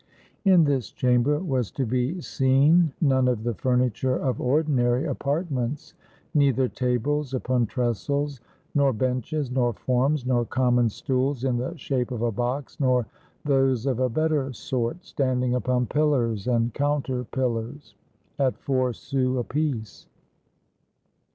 In this chamber was to be seen none of the furniture of ordinary apartments, neither tables upon trestles, nor benches, nor forms, nor common stools in the shape of a box, nor those of a better sort, standing upon pillars and counter pillars, at four sous apiece.